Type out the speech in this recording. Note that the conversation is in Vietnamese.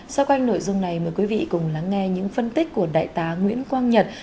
sau quanh nội dung này mời quý vị cùng lắng nghe những phân tích của đại tá nguyễn quang nhật